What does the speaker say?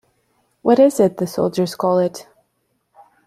What is it the soldiers call it?